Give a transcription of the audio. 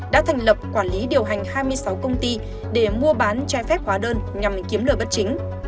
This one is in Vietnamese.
đã thành lập quản lý điều hành hai mươi sáu công ty để mua bán trái phép hóa đơn nhằm kiếm lời bất chính